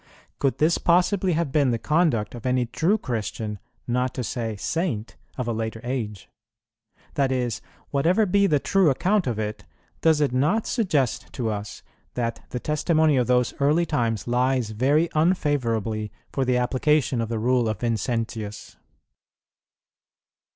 [18:3] Could this possibly have been the conduct of any true Christian, not to say Saint, of a later age? that is, whatever be the true account of it, does it not suggest to us that the testimony of those early times lies very unfavourably for the application of the rule of Vincentius?